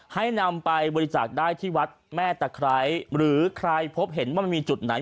ให้นำไปบริจาคได้ที่วัดแม่ตะไคร้หรือใครพบเห็นว่ามันมีจุดไหน